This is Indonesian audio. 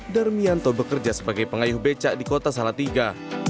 darmianto bekerja sebagai pengayuh becak di kota salatiga